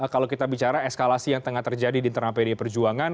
kalau kita bicara eskalasi yang tengah terjadi di internal pdi perjuangan